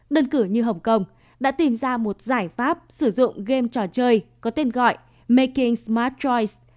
đơn cử như hồng kông đã tìm ra một giải pháp sử dụng game trò chơi có tên gọi making smartroids